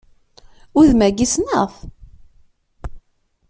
Udem-agi, ssneɣ-t!